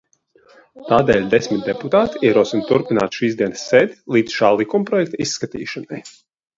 Tādēļ desmit deputāti ierosina turpināt šīsdienas sēdi līdz šā likumprojekta izskatīšanai.